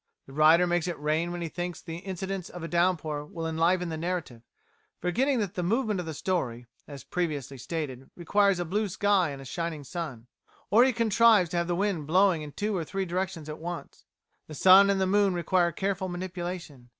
The writer makes it rain when he thinks the incidents of a downpour will enliven the narrative, forgetting that the movement of the story, as previously stated, requires a blue sky and a shining sun; or he contrives to have the wind blowing in two or three directions at once. The sun and the moon require careful manipulation.